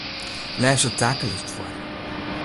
Lês de takelist foar.